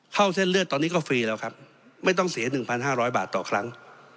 เส้นเลือดตอนนี้ก็ฟรีแล้วครับไม่ต้องเสีย๑๕๐๐บาทต่อครั้ง